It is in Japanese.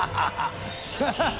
フハハハハ！